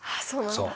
そう。